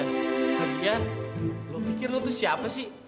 nah gian lo pikir lo tuh siapa sih